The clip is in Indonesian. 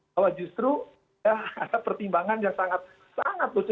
bahwa justru ada pertimbangan yang sangat sangat lucu